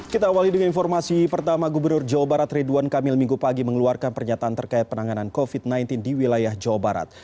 kita awali dengan informasi pertama gubernur jawa barat ridwan kamil minggu pagi mengeluarkan pernyataan terkait penanganan covid sembilan belas di wilayah jawa barat